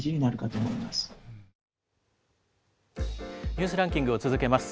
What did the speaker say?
ニュースランキングを続けます。